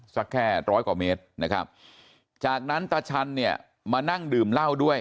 สักแค่ร้อยกว่าเมตรนะครับจากนั้นตาชันเนี่ยมานั่งดื่มเหล้าด้วย